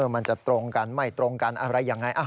มันจะตรงกันไม่ตรงกันอะไรยังไง